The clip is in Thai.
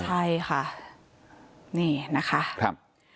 ใช่ค่ะนี่นะคะ